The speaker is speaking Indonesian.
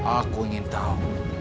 aku ingin tahu